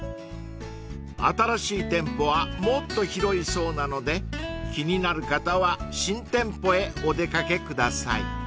［新しい店舗はもっと広いそうなので気になる方は新店舗へお出掛けください］